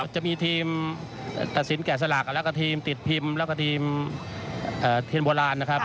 จะมีทีมตัดสินแกะสลักแล้วก็ทีมติดพิมพ์แล้วก็ทีมเทียนโบราณนะครับ